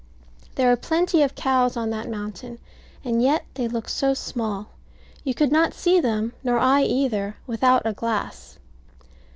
There are plenty of cows on that mountain: and yet they look so small, you could not see them, nor I either, without a glass.